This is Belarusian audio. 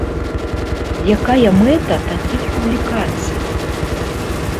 Якая мэта такіх публікацый?